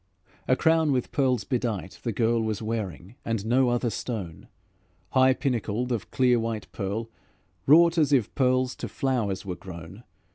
A crown with pearls bedight, the girl Was wearing, and no other stone; High pinnacled of clear white pearl, Wrought as if pearls to flowers were grown.